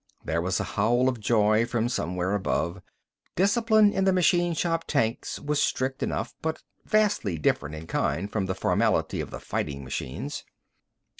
There was a howl of joy from somewhere above. Discipline in the machine shop tanks was strict enough, but vastly different in kind from the formality of the fighting machines.